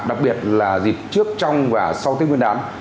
đặc biệt là dịp trước trong và sau tết nguyên đán